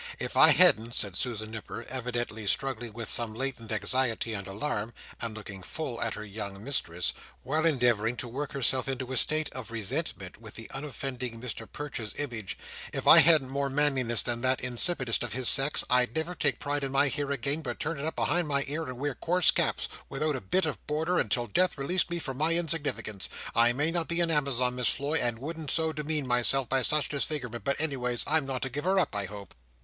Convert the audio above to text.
"If I hadn't," said Susan Nipper, evidently struggling with some latent anxiety and alarm, and looking full at her young mistress, while endeavouring to work herself into a state of resentment with the unoffending Mr Perch's image, "if I hadn't more manliness than that insipidest of his sex, I'd never take pride in my hair again, but turn it up behind my ears, and wear coarse caps, without a bit of border, until death released me from my insignificance. I may not be a Amazon, Miss Floy, and wouldn't so demean myself by such disfigurement, but anyways I'm not a giver up, I hope."